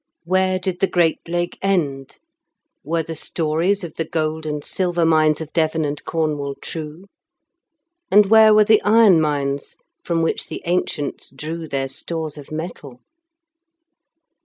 Where did the great Lake end? Were the stories of the gold and silver mines of Devon and Cornwall true? And where were the iron mines, from which the ancients drew their stores of metal?